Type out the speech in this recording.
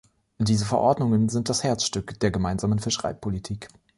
Diese Verordnungen sind das Herzstück der gemeinsamen Fischereipolitik.